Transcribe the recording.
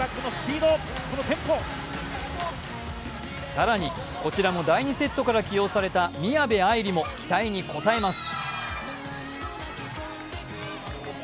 更に、こちらも第２セットから起用された宮部藍梨も期待に応えます。